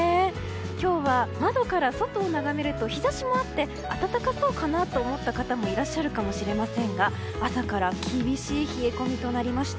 今日は窓から外を眺めると日差しもあって暖かそうかなと思った方もいらっしゃるかもしれませんが朝から厳しい冷え込みとなりました。